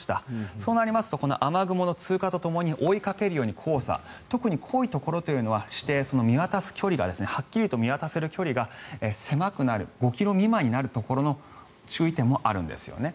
そうなりますと雨雲の通過とともに追いかけるように黄砂特に濃いところというのは視程はっきりと見渡せる距離が狭くなる５ｋｍ未満になるところの注意点もあるんですよね。